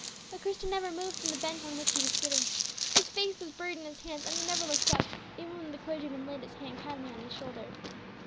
But Christie never moved from the bench on which he was sitting. His face was buried in his hands, and he never looked up, even when the clergyman laid his hand kindly on his shoulder.